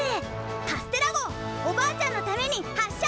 カステラ号おばあちゃんのために発射！